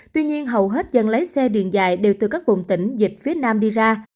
tuy nhiên hầu hết dân lấy xe điện dài đều từ các vùng tỉnh dịch phía nam đi ra